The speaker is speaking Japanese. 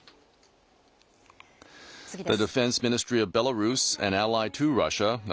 次です。